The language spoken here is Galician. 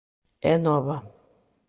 É nova.